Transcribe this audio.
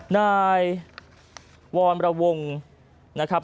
นายวรวงนะครับ